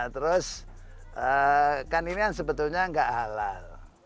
terus kan ini yang sebetulnya enggak halal